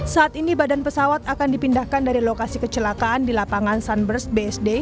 saat ini badan pesawat akan dipindahkan dari lokasi kecelakaan di lapangan sunburst bsd